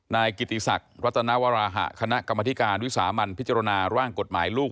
นายกิติศักดิ์รัตนวราหะคณะกรรมธิการวิสามันพิจารณาร่างกฎหมายลูก